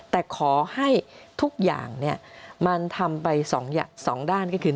แต่ขอให้ทุกอย่างมันทำไปสองด้านก็คือ